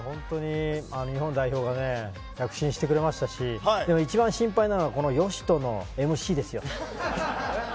日本代表が躍進してくれましたし一番に心配なのは嘉人のＭＣですよ。